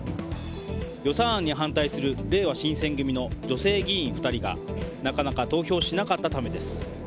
予算案に反対するれいわ新選組の女性議員２人がなかなか投票しなかったためです。